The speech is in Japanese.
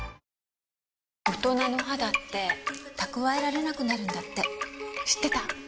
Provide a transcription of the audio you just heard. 大人の肌って蓄えられなくなるんだって知ってた？